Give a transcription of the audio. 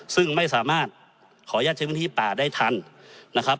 ซึ่งไม่สามารถขออนุญาตใช้พื้นที่ป่าได้ทันนะครับ